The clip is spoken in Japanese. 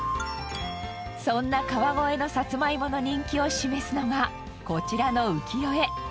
そんな川越のさつまいもの人気を示すのがこちらの浮世絵。